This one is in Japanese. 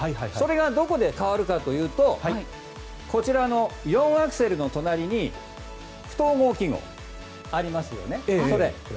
それがどこで変わるかというとこちらの４アクセルの隣に不等号記号がありますよね。